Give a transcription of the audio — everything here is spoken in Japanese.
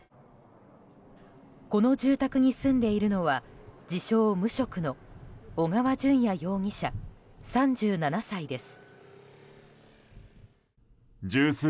この住宅に住んでいるのは自称無職の小川順也容疑者、３７歳です。